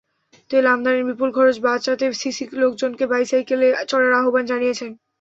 তেল আমদানির বিপুল খরচ বাঁচাতে সিসি লোকজনকে বাইসাইকেলে চড়ার আহ্বান জানিয়েছেন।